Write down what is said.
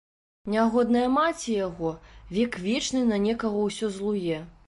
Нягодная маці яго, век вечны на некага ўсё злуе.